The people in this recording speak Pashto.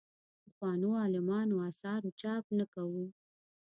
پخوانو عالمانو اثارو چاپ نه کوو.